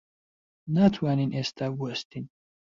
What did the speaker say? ناتوانین ئێستا بوەستین.